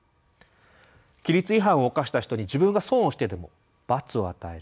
「規律違反を犯した人に自分が損をしてでも罰を与える。